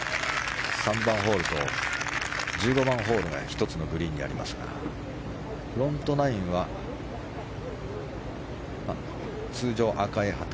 ３番ホールと１５番ホールが１つのグリーンにありますがフロントナインは通常、赤い旗。